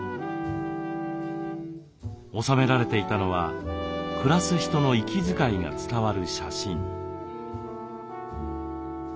収められていたのは暮らす人の息遣いが伝わる写真。